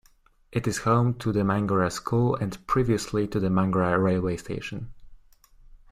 It is home to the Mangaroa School and previously the Mangaroa Railway Station.